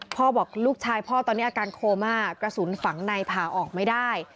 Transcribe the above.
บอกลูกชายพ่อตอนนี้อาการโคม่ากระสุนฝังในผ่าออกไม่ได้